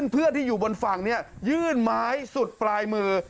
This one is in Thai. เพื่อนที่อยู่บนฝั่งยื่นไม้สุดปลายมือ